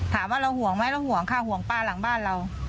ถามว่าเราห่วงไหมเราห่วงค่ะห่วงป้าหลังบ้านเรา